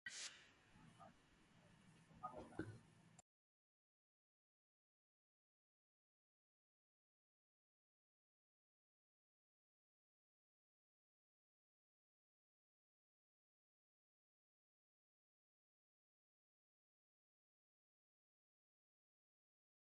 בצד המשך הפעילות בקו תל-אביב-ירושלים